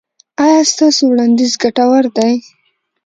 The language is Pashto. ایا ستاسو وړاندیز ګټور دی؟